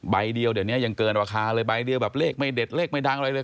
ใบเดียวเดี๋ยวนี้ยังเกินราคาเลยใบเดียวแบบเลขไม่เด็ดเลขไม่ดังอะไรเลย